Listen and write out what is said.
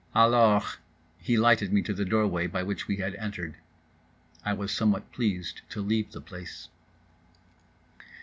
"Alors." He lighted me to the door way by which we had entered. (I was somewhat pleased to leave the place.)